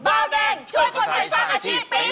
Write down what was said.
เบาแดงช่วยคนไทยสร้างอาชีพปี๒